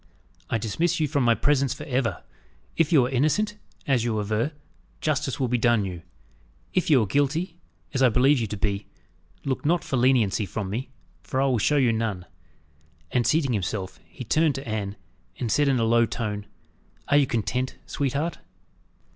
"I dismiss you from my presence for ever. If you are innocent, as you aver, justice will be done you.. If you are guilty, as I believe you to be, look not for leniency from me, for I will show you none." And, seating himself, he turned to Anne, and said, in a low tone, "Are you content, sweetheart?"